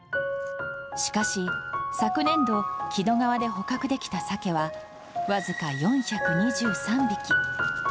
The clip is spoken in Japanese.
しかし、昨年度、木戸川で捕獲できたサケは僅か４２３匹。